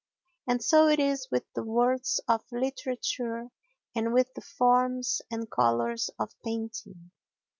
And so it is with the words of literature and with the forms and colours of painting.